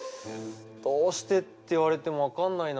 どうしてって言われても分かんないな。